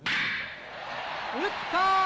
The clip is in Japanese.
打った！